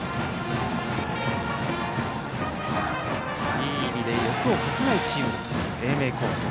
いい意味で欲をかかないチームだという英明高校。